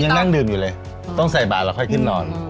ยังนั่งดื่มอยู่เลยต้องใส่บาทแล้วค่อยขึ้นนอน